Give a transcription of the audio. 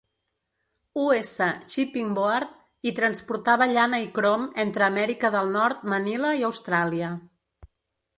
(...) U.S. Shipping Board i transportava llana i crom entre Amèrica del Nord, Manila i Austràlia.